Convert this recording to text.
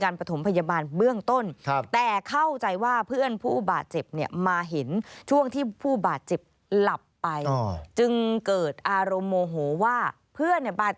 ก็เข้าไปช่วยเหลือ